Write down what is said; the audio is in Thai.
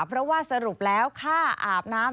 เพราะว่าสรุปแล้วค่าอาบน้ำ